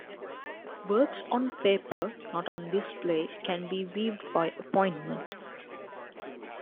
Works on paper not on display can be viewed by appointment.